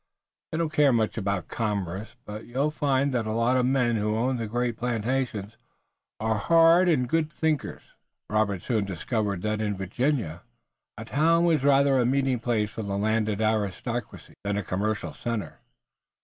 They don't care much about commerce, but you'll find that a lot of the men who own the great plantations are hard and good thinkers." Robert soon discovered that in Virginia a town was rather a meeting place for the landed aristocracy than a commercial center.